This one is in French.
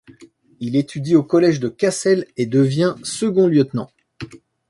Il étudie au collège de Kassel et devient second lieutenant.